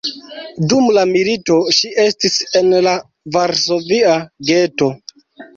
Dum la milito ŝi estis en la Varsovia geto.